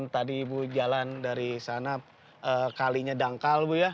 tadi ibu jalan dari sana kalinya dangkal bu ya